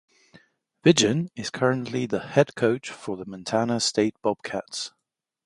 Vigen is currently the head coach for the Montana State Bobcats.